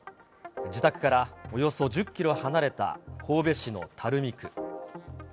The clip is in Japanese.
自宅からおよそ１０キロ離れた神戸市の垂水区。